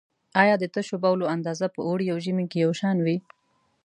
آیا د تشو بولو اندازه په اوړي او ژمي کې یو شان وي؟